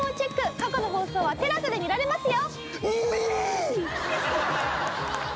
過去の放送はＴＥＬＡＳＡで見られますよ。